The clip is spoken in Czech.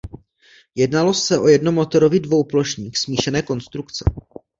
Jednalo se o jednomotorový dvouplošník smíšené konstrukce.